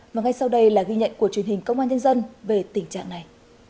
và ngay sau đây là ghi nhận của truyền hình công an nhân dân về tình trạng này